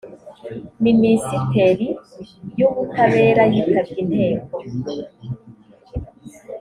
minisiteri y’ubutabera yitabye inteko